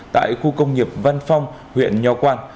tại khu công nghiệp văn phong huyện nho quang